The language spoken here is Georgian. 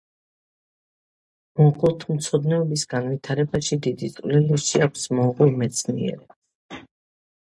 მონღოლთმცოდნეობის განვითარებაში დიდი წვლილი შეაქვთ მონღოლ მეცნიერებს.